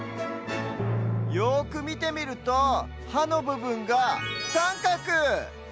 よくみてみるとはのぶぶんがさんかく！